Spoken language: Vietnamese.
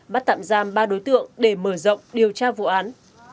bắt tạm giam ba đối tượng để mở rộng điều tra vụ án